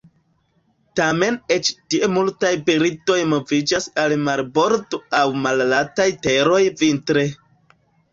Tamen eĉ tie multaj birdoj moviĝas al marbordo aŭ malaltaj teroj vintre.